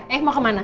eh mau kemana